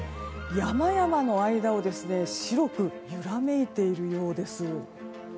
山々の間を白く揺らめいているようです。